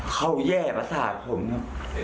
เขาแย่ประสาทผมน่ะ